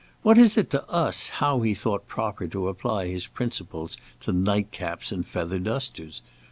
What is it to us how he thought proper to apply his principles to nightcaps and feather dusters?